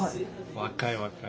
若い若い。